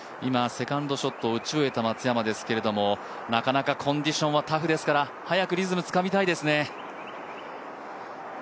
セカンドショットを打ち終えた松山ですけどもなかなかコンディションはタフですから、早くリズムつかみたいですね。